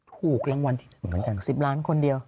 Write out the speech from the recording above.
ถูกรางวัลที่๑๖๐ล้านคนเดียว